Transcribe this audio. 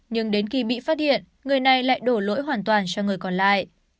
nhưng đến khi bị phát hiện người này lại đổ lỗi hoàn toàn cho người còn lại